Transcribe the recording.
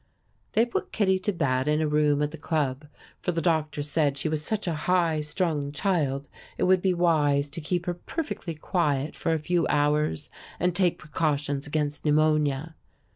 They put Kittie to bed in a room at the club, for the doctor said she was such a high strung child it would be wise to keep her perfectly quiet for a few hours and take precautions against pneumonia.